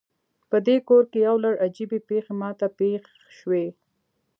پدې کور کې یو لړ عجیبې پیښې ما ته پیښ شوي